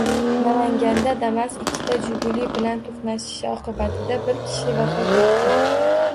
Namanganda Damas ikkita “Jiguli” bilan to‘qnashishi oqibatida bir kishi vafot etdi